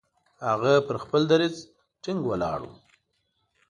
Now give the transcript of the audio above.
هغه پر خپل دریځ ټینګ ولاړ وو.